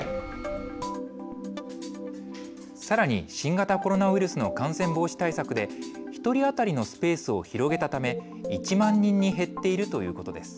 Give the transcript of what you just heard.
さらに新型コロナウイルスの感染防止対策で一人当たりのスペースを広げたため１万人に減っているということです。